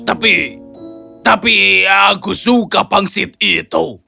tapi tapi aku suka pangsit itu